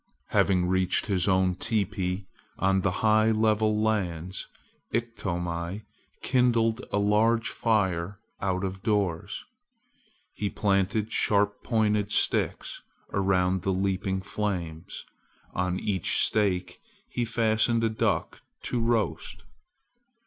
Having reached his own teepee on the high level lands, Iktomi kindled a large fire out of doors. He planted sharp pointed sticks around the leaping flames. On each stake he fastened a duck to roast.